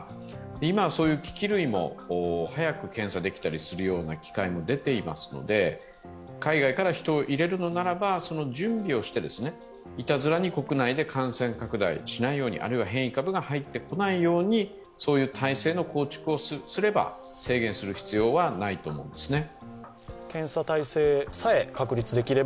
今、それだけの機器類も、早く検査できたりするような機械も出ていますので海外から人を入れるのならば、その準備をしていたずらに国内で感染拡大しないように、あるいは変異株が入ってこないように、体制の構築をすれば制限する必要はないと思うんですね。